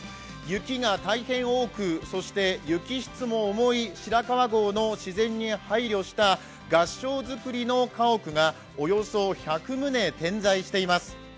雪が大変多く、雪質も重い白川郷の自然に配慮した合掌造りの家屋がおよそ１００棟点在しています。